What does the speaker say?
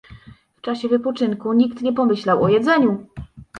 W czasie wypoczynku nikt nie pomyślał o jedzeniu.